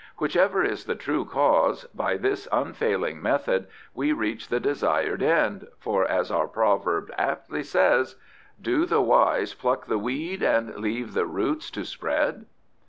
Whichever is the true cause, by this unfailing method we reach the desired end, for, as our proverb aptly says, 'Do the wise pluck the weed and leave the roots to spread?